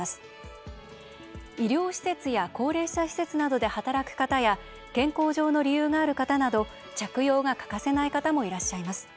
医療施設や高齢者施設などで働く方や健康上の理由がある方など着用が欠かせない方もいらっしゃいます。